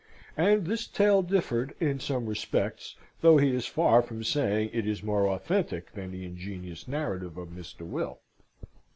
And this tale differed, in some respects, though he is far from saying it is more authentic than the ingenuous narrative of Mr. Will.